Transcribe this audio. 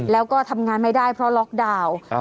แล้วก็ทำงานไม่ได้เพราะล็อกดาวน์